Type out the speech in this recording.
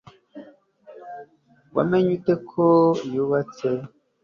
wamenye ute ko yubatse